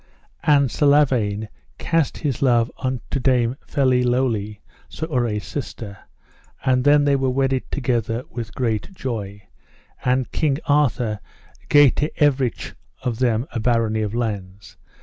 And Sir Lavaine cast his love unto Dame Felelolie, Sir Urre's sister, and then they were wedded together with great joy, and King Arthur gave to everych of them a barony of lands.